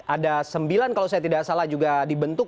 ada sembilan kalau saya tidak salah juga dibentuk